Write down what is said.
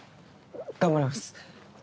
頑張ります。